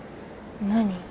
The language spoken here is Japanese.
何？